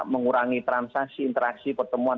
mengurangi transaksi interaksi pertemuan